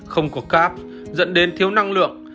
không có carb dẫn đến thiếu năng lượng